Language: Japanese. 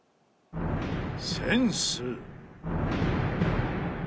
センス。